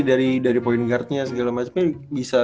dari point guardnya segala macemnya